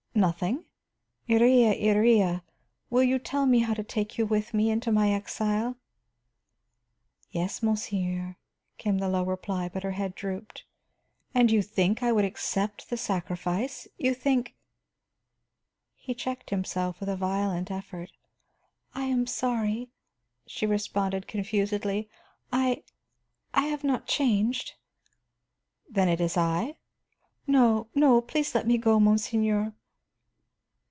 "Nothing? Iría, Iría, will you tell me now to take you with me into my exile?" "Yes, monseigneur," came the low reply, but her head drooped. "And you think I would accept the sacrifice? You think " He checked himself with a violent effort. "I am sorry," she responded confusedly. "I I have not changed." "Then it is I?" "No, no; please let me go, monseigneur."